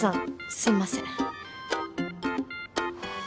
すいません